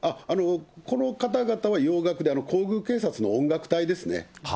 この方々は洋楽で皇宮警察の音楽隊ですね。